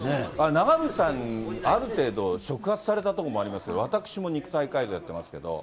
長渕さんにある程度、触発されたところもありますけど、私も肉体改造やってますけど。